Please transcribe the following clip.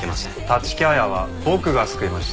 立木彩は僕が救いました。